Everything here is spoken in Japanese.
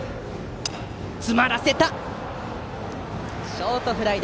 ショートフライ。